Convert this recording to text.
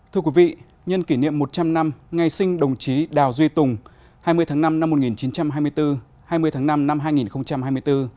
thưa quý vị nhân kỷ niệm một trăm linh năm ngày sinh đồng chí đào duy tùng hai mươi tháng năm năm một nghìn chín trăm hai mươi bốn hai mươi tháng năm năm hai nghìn hai mươi bốn